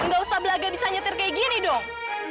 gak usah belaga bisa nyetir kayak gini dong